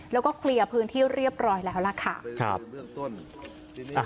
แล้วก็เคลียร์พื้นที่เรียบร้อยแล้วล่ะค่ะเบื้องต้น